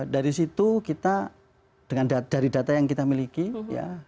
dari situ kita dari data yang kita miliki ya